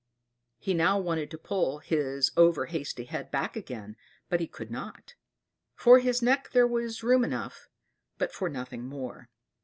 He now wanted to pull his over hasty head back again, but he could not. For his neck there was room enough, but for nothing more.